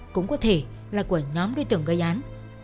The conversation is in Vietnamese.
cũng có thể là của nhóm đối tượng gây án